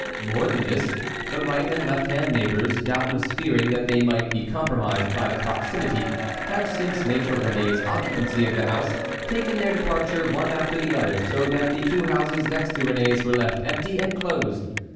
More than this, the right and left hand neighbors, doubtless fearing that they might be compromised by the proximity, had, since Maître Réné's occupancy of the house, taken their departure one after the other so that the two houses next to Réné's were left empty and closed.